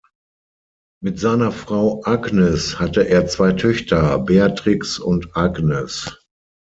Mit seiner Frau Agnes hatte er zwei Töchter, Beatrix und Agnes.